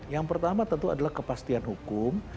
yang pertama tentu adalah kepastian hukum